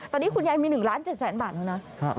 ตอนนี้คุณยายมีหนึ่งล้านเจ็ดแสนบาทแล้วนะ